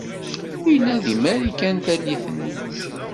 Yella di Marikan tallit-nni.